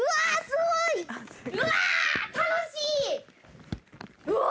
うわ楽しい！うわ！